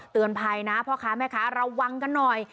เตือนภัยนะพ่อค้าแม่ค้าระวังกันหน่อย